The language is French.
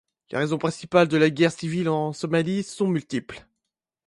Les raisons principales de la guerre civile en Somalie sont multiples.